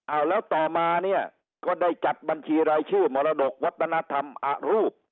เอาแล้วต่อมาเนี่ยก็ได้จัดบัญชีรายชื่อมรดกวัฒนธรรมอรูป